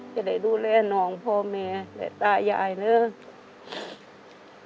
จะได้ดูแลน้องพ่อแม่และตายายเนอะ